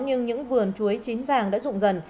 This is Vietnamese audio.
nhưng những vườn chuối chín vàng đã dụng dần